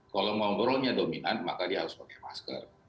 kalau ngobrolnya dominan maka dia harus pakai masker